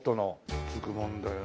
くっつくもんだよね。